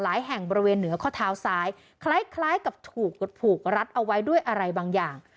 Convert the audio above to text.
แห่งบริเวณเหนือข้อเท้าซ้ายคล้ายกับถูกผูกรัดเอาไว้ด้วยอะไรบางอย่าง